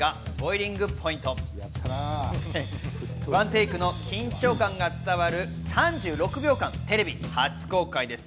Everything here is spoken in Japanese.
１テイクの緊張感が伝わる３６秒間、テレビ初公開です。